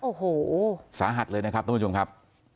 โอ้โหสาหัสเลยนะครับทุกผู้ชมครับ